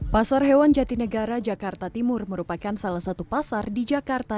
pasar hewan jatinegara jakarta timur merupakan salah satu pasar di jakarta